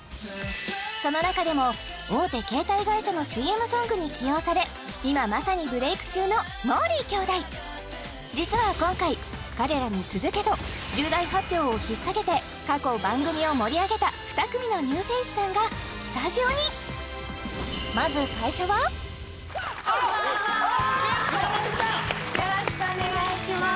その中でも大手携帯会社のＣＭソングに起用され今まさにブレイク中のもーりー兄弟実は今回彼らに続けと重大発表をひっ提げて過去番組を盛り上げた２組のニューフェイスさんがスタジオにまず最初はこんばんはこんばんはよろしくお願いします